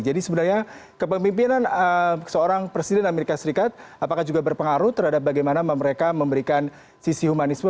sebenarnya kepemimpinan seorang presiden amerika serikat apakah juga berpengaruh terhadap bagaimana mereka memberikan sisi humanisme